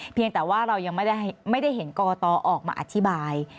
เพียงแต่ว่าเรายังไม่ได้เห็นกรกตออกมาอธิบาย